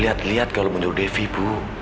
liat liat kalo menurut devi bu